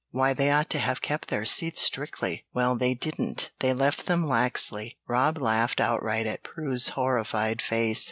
Why, they ought to have kept their seats strictly." "Well, they didn't; they left them laxly." Rob laughed outright at Prue's horrified face.